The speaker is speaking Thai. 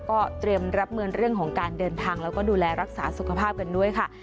ก็เตรียมรับมือเรื่องของการเดินทางแล้วก็ดูแลรักษาสุขภาพกันด้วยค่ะ